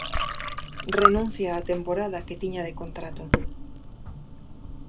Renuncia á temporada que tiña de contrato.